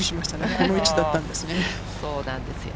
この位置だったんですね。